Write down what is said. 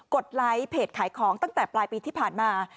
ดไลค์เพจขายของตั้งแต่ปลายปีที่ผ่านมา